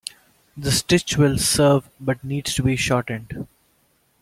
The stitch will serve but needs to be shortened.